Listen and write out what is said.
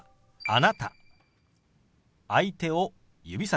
「あなた」。